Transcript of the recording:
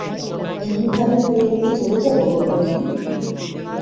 এমনিভাবে ফেলে রেখে চলে যাব গোবর্ধন?